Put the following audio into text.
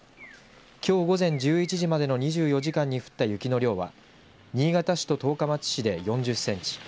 きょう午前１１時までの２４時間に降った雪の量は新潟市と十日町市で４０センチ